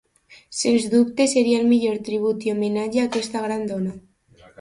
Sens dubte seria el millor tribut i homenatge a aquesta gran dona.